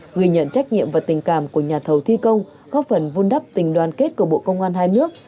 ghi nhận trách nhiệm và tình cảm của nhà thầu thi công góp phần vun đắp tình đoàn kết của bộ công an hai nước